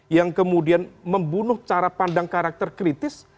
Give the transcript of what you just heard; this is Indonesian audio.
yang kemudian membunuh cara pandang karakter kritis